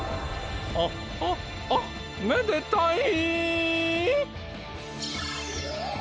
あっあっあっめでたい！